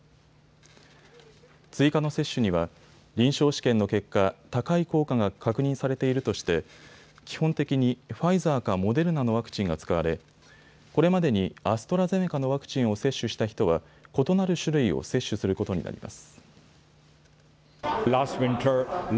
追加の接種には臨床試験の結果、高い効果が確認されているとして基本的にファイザーかモデルナのワクチンが使われ、これまでにアストラゼネカのワクチンを接種した人は異なる種類を接種することになります。